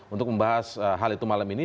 untuk membahas hal itu malam ini